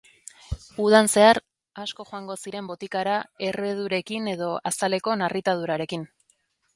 Udan zehar asko joango ziren botikara erredurekin edo azaleko narritadurarekin.